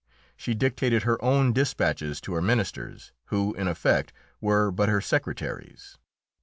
She dictated her own despatches to her ministers, who, in effect, were but her secretaries.